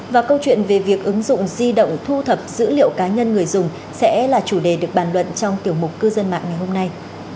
và câu chuyện về việc ứng dụng di động thu thập dữ liệu cá nhân người dùng sẽ là chủ đề được bàn luận trong tiểu mục cư dân mạng ngày hôm nay